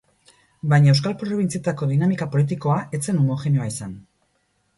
Baina euskal probintzietako dinamika politikoa ez zen homogeneoa izan.